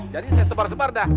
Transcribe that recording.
jadi saya sebar sebar dah